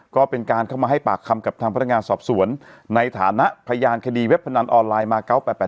ก็เป็นการเข้ามาให้ปากคำกับทางพนักงานสอบสวนในฐานะพยานคดีเว็บพนันออนไลน์มา๙๘๘